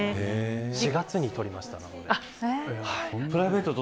４月に取りました。